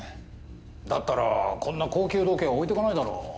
だったらこんな高級時計は置いていかないだろう。